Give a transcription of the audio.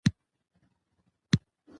او نور داسې دودنه چې په د ولايت کې رواج لري.